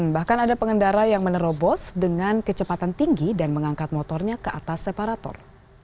bahkan ada pengendara yang menerobos dengan kecepatan tinggi dan mengangkat motornya ke atas separator